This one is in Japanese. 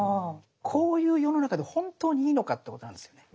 こういう世の中で本当にいいのかってことなんですよね。